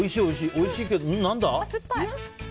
おいしいけど、何だ？